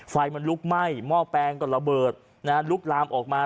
ไฟมันลุกไหม้หม้อแปลงก็ระเบิดนะฮะลุกลามออกมา